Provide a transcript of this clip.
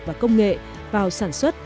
và công nghệ vào sản xuất